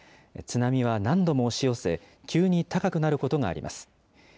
津波は何度も押し寄せ、急に高くなることがあります。